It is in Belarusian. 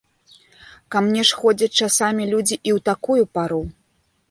Ка мне ж ходзяць часамі людзі і ў такую пару.